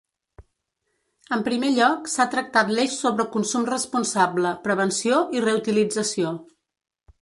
En primer lloc, s’ha tractat l’eix sobre consum responsable, prevenció i reutilització.